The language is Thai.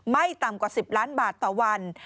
ไม่ต่ำกว่า๑๐ล้านบาทต่อวัน